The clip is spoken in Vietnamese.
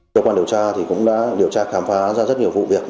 cơ quan điều tra cũng đã điều tra khám phá ra rất nhiều vụ việc